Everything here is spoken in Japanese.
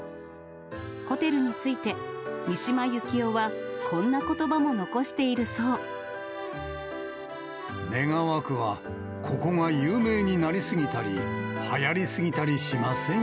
ホテルについて、三島由紀夫は、ねがはくは、ここが有名になりすぎたり、はやりすぎたりしません